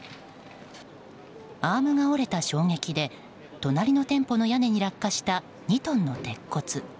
アームが折れた衝撃で隣の店舗の屋根に落下した２トンの鉄骨。